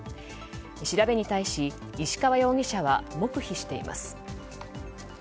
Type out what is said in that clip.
調べに対し石川容疑者は黙秘しています。